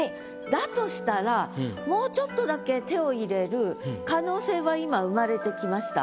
だとしたらもうちょっとだけ手を入れる可能性は今生まれてきました。